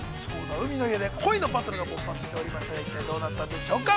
◆海の家で恋のバトルが勃発しておりましたが一体どうなったんでしょうか。